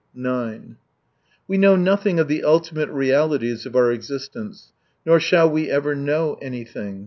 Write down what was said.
, 9 We know nothmg of the ultimate realities of our existence, nor shall we ever know anything.